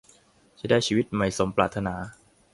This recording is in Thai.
จะได้ชีวิตใหม่สมปรารถนา